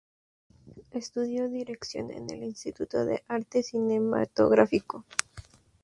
Estudió dirección en el Instituto de Arte Cinematográfico.